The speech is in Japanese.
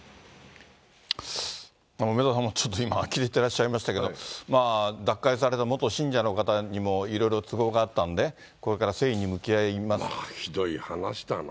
梅沢さんもちょっと今、あきれていらっしゃいましたけど、脱会された元信者の方にもいろいろ都合があったんで、ひどい話だな。